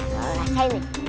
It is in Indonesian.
kalau rasain nih